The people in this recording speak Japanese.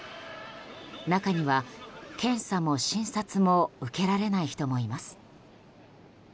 中には検査も診察も受けられない人もいます。